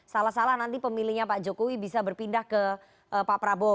salah salah nanti pemilihnya pak jokowi bisa berpindah ke pak prabowo